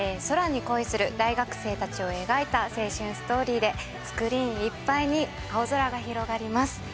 空に恋する大学生たちを描いた青春ストーリーでスクリーンいっぱいに青空が広がります